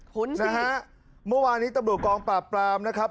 หุ่นที่นะฮะเมื่อวานนี้ตำรุกล์กองปราบปรามนะครับ